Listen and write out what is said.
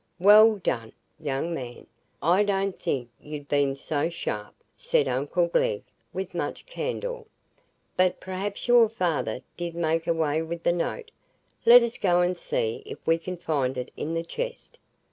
"Well done, young man! I didn't think you'd been so sharp," said uncle Glegg, with much candor. "But perhaps your father did make away with the note. Let us go and see if we can find it in the chest."